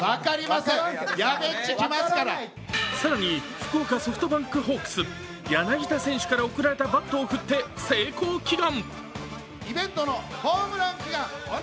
福岡ソフトバンクホークス・柳田選手から贈られたバットを振って成功祈願！